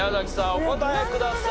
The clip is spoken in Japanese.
お答えください。